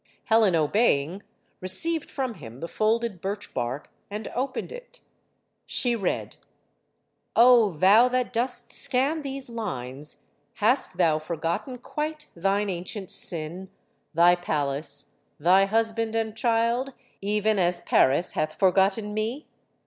Helen, obeying, received from him the folded birch bark and opened it. She read: O thou that dost scan these lines, hast thou forgotten quite thine ancient sin, thy palace, thy husband and child even as Paris hath forgotten me?